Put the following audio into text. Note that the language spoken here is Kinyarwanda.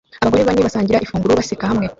Abagore bane basangira ifunguro baseka hamwe